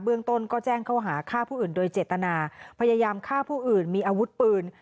เรื่องต้นก็แจ้งเขาหาฆ่าผู้อื่นโดยเจตนาพยายามฆ่าผู้อื่นมีอาวุธปืน